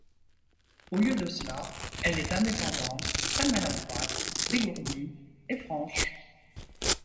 Au lieu de cela, elle est indépendante, très maladroite, dégourdie, et franche.